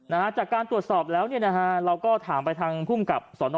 นะฮะจากการตรวจสอบแล้วเนี่ยนะฮะเราก็ถามไปทางภูมิกับสอนอ